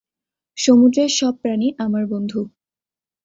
সমুদ্রের সব প্রাণী আমার বন্ধু।